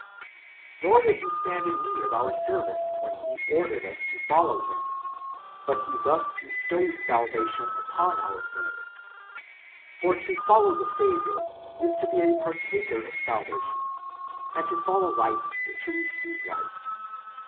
^ Nor did He stand in need of our service when He ordered us to follow Him ; but He thus be stowed salvation upon ourselves. For to follow the Saviour is to be a partaker of salvation, and to follow light is to receive licrht.